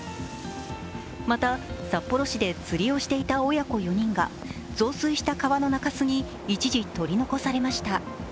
また、札幌市で釣りをしていた親子４人が増水した川の中州に一時、取り残されました。